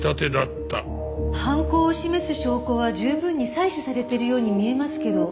犯行を示す証拠は十分に採取されているように見えますけど。